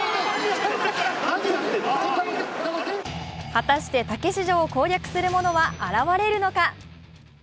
果たしてたけし城を攻略する者は現れるのか。